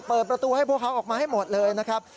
เปิดประตูให้พวกเขาออกมาให้หมดเลยนะครับ